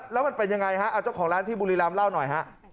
แล้วมันเป็นยังไงจ้องของร้านที่บุรีรามเล่าหน่อย